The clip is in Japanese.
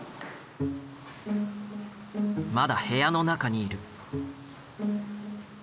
まだ部屋の中にいる。